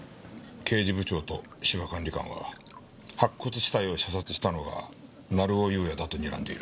刑事部長と芝管理官は白骨死体を射殺したのは成尾優也だとにらんでいる。